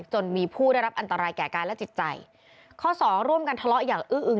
จนมีผู้ได้รับอันตรายแก่กายและจิตใจข้อสองร่วมกันทะเลาะอย่างอื้ออึง